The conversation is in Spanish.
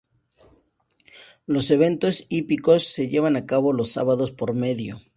Los Eventos hípicos se llevan a cabo los sábados por medio.